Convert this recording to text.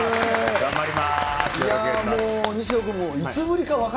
頑張ります。